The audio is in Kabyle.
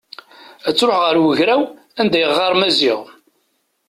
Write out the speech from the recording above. Ad truḥ ɣer ugraw anda yeɣɣar Maziɣ.